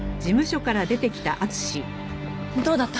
どうだった？